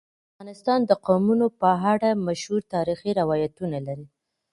افغانستان د قومونه په اړه مشهور تاریخی روایتونه لري.